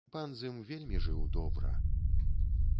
Пан з ім вельмі жыў добра.